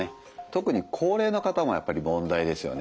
特に高齢の方もやっぱり問題ですよね。